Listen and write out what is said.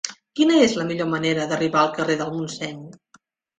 Quina és la millor manera d'arribar al carrer del Montseny?